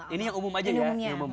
ini yang umum aja ya